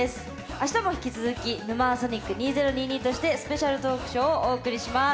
あしたも引き続き「ヌマーソニック２０２２」としてスペシャルトークショーをお送りします。